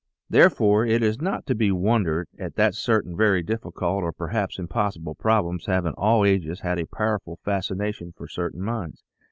Therefore it is not to be wondered at that certain very difficult, or perhaps impossible problems have in all ages had a powerful fascination for certain minds.